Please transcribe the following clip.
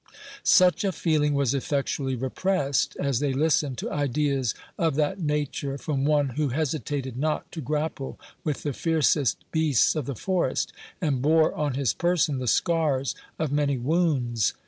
Such a feeling was effectually repressed, as they listened to ideas of that nature from one who hesitated not to grapple with the fiercest beasts of the forest, and bore on his person the scars of many wounds.